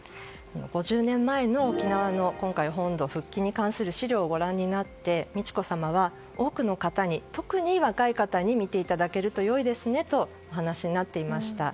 ５０年前の沖縄の今回、本土復帰に関する資料をご覧になって美智子さまは多くの方に特に若い方に見ていただけると良いですねとお話になっていました。